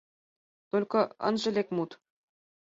Только ынже лек мут!